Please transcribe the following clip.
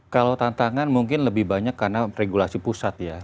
kalau tantangan mungkin lebih banyak karena regulasi pusat ya